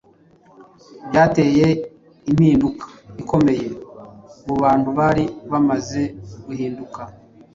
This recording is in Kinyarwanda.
byateye impinduka ikomeye mu bantu bari bamaze guhinduka.